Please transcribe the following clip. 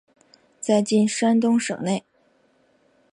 在今山东省境。